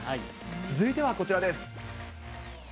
続いてはこちらです。